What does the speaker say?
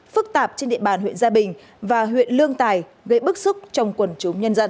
phức tạp trên địa bàn huyện gia bình và huyện lương tài gây bức xúc trong quần chúng nhân dân